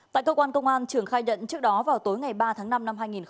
tại cơ quan công an trường khai nhận trước đó vào tối ngày ba tháng năm năm hai nghìn hai mươi ba